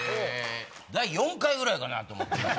第４回ぐらいかなと思った。